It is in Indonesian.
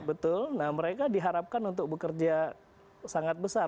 betul nah mereka diharapkan untuk bekerja sangat besar